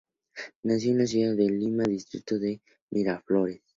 Nació en la ciudad de Lima, distrito de Miraflores.